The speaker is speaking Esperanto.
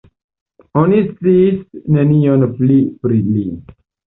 Oni sciis nenion pli pri li.